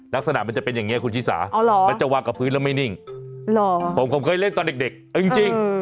ลักษณะมันจะเป็นอย่างนี้คุณชิสามันจะวางกับพื้นแล้วไม่นิ่งผมผมเคยเล่นตอนเด็กเอาจริง